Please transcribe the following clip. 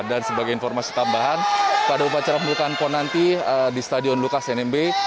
dan sebagai informasi tambahan pada upacara pembukaan pon nanti di stadion lukas nmb